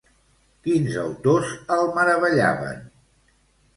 Quins autors el meravellaven?